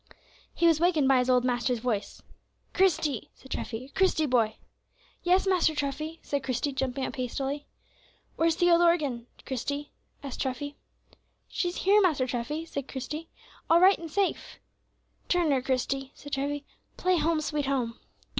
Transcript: He was wakened by his old master's voice: "Christie," said Treffy; "Christie, boy!" "Yes, Master Treffy," said Christie, jumping up hastily. "Where's the old organ, Christie?" asked Treffy. "She's here, Master Treffy," said Christie, "all right and safe." "Turn her, Christie," said Treffy, "play 'Home, sweet Home.'"